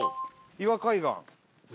岩海岸。